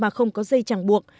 mà không có dây chẳng buộc